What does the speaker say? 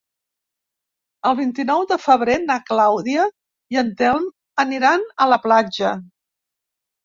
El vint-i-nou de febrer na Clàudia i en Telm aniran a la platja.